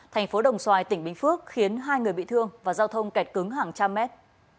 thành phố đồng xoài tỉnh bình phước khiến hai người bị thương và giao thông kẹt cứng hàng trăm mét